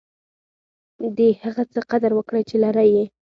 د هغه څه قدر وکړئ، چي لرى يې.